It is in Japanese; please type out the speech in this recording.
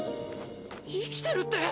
生きてるって！？